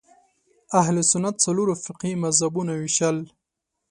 اهل سنت څلورو فقهي مذهبونو وېشل